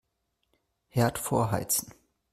Herd vorheizen.